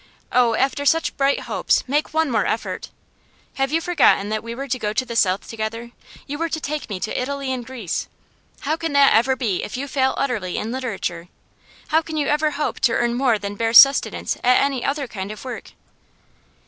Oh, after such bright hopes, make one more effort! Have you forgotten that we were to go to the South together you were to take me to Italy and Greece? How can that ever be if you fail utterly in literature? How can you ever hope to earn more than bare sustenance at any other kind of work?